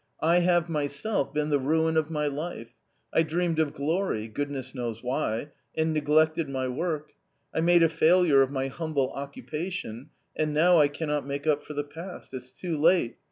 I have myself been the ruin of my life. I dreamed of glory, goodness knows why, and neglected _ my work ; I made a failure of my humble occupation, and 1 now I cannot make up for the past ; it's too late